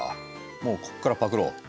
もうこっからパクろう。